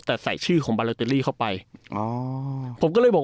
แต่ใส่ชื่อของบาลาเตอรี่เข้าไปอ๋อผมก็เลยบอก